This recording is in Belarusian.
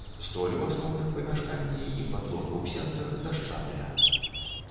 Столь у асноўным памяшканні і падлога ў сенцах дашчаныя.